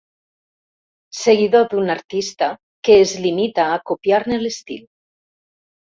Seguidor d'un artista que es limita a copiar-ne l'estil.